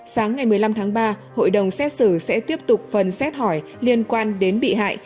sáng ngày một mươi năm tháng ba hội đồng xét xử sẽ tiếp tục phần xét hỏi liên quan đến bị hại